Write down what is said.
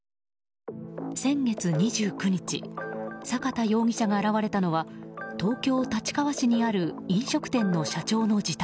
先月２９日坂田容疑者が現れたのは東京・立川市にある飲食店の社長の自宅。